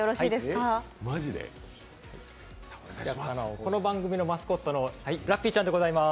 この番組のマスコットのラッピーちゃんでございます。